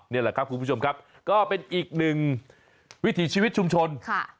นี่แหละครับคุณผู้ชมครับก็เป็นอีกหนึ่งวิถีชีวิตชุมชน